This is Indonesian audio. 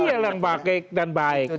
model yang baik dan baik